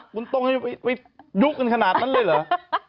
กุณต้มให้ดุกกันขนาดนั้นเลยเหรอ